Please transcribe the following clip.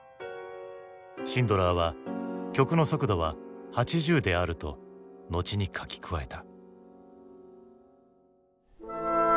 シンドラーは曲の速度は８０であると後に書き加えた。